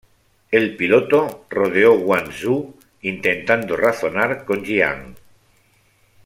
El piloto rodeó Guangzhou, intentando razonar con Jiang.